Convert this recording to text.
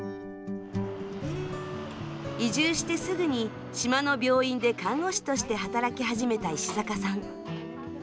移住してすぐに、島の病院で看護師として働き始めた石坂さん。